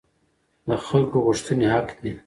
د خلکو غوښتنې حق دي